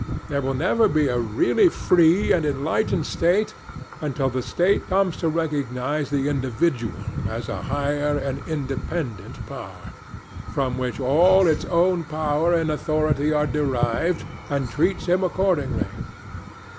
There will never be a really free and enlightened State, until the State comes to recognize the individual as a higher and independent power, from which all its own power and authority are derived, and treats him accordingly.